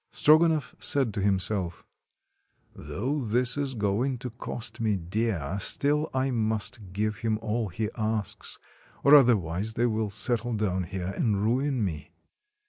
Strogonoff said to himself: — "Though this is going to cost me dear, still I must give him all he asks, or otherwise they will settle down here and ruin me."